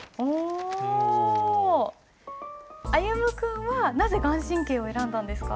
歩夢君はなぜ顔真を選んだんですか？